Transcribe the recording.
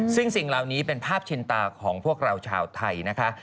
ซึ่งสิ่งเหล่านี้เป็นภาพชินตาของพวกเราชาวไทยนะคะ